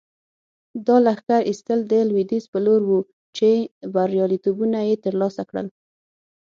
دا لښکر ایستل د لویدیځ په لور وو چې بریالیتوبونه یې ترلاسه کړل.